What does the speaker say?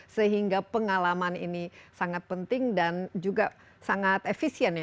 sehingga pengalaman ini sangat penting dan juga sangat efisien ya